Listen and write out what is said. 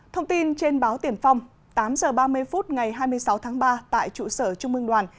thông tin trên báo tiền phong tám h ba mươi phút ngày hai mươi sáu tháng ba tại trụ sở trung mương đoàn